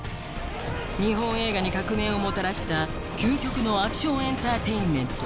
日本映画に革命をもたらした究極のアクションエンターテインメント